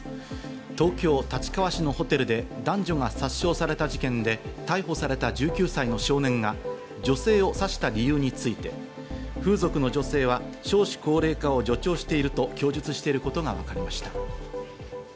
東京・立川市のホテルで男女が殺傷された事件で、逮捕された１９歳の少年が女性を刺した理由について、風俗の女性は少子高齢化を助長していると供述していることがわかりました。